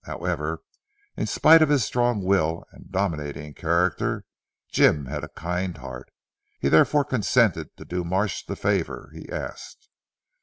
However, in spite of his strong will, and dominating character, Jim had a kind heart. He therefore consented to do Marsh the favour he asked.